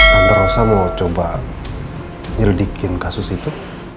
tante rosa mau coba nyelidikin kasus itu